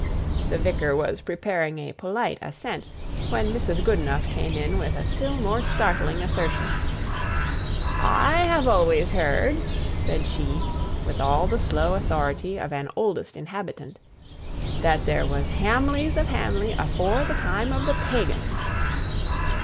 The vicar was preparing a polite assent, when Mrs. Goodenough came in with a still more startling assertion. "I have always heerd," said she, with all the slow authority of an oldest inhabitant, "that there was Hamleys of Hamley afore the time of the pagans."